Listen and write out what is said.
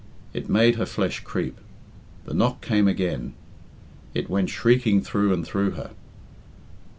It made her flesh creep. The knock came again. It went shrieking through and through her.